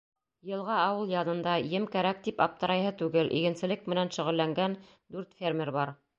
Йылға ауыл янында, ем кәрәк тип аптырайһы түгел — игенселек менән шөғөлләнгән дүрт фермер бар.